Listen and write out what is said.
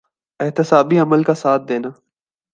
احتسابی عمل کا ساتھ دینا۔